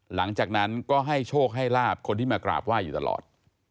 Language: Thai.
หลังจากนั้นก็ให้โชคให้ลาบคนที่มากราบไหว้อยู่ตลอด